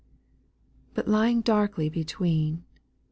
4. But lying darkly between.